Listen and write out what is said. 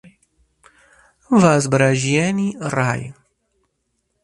Возвращённый рай.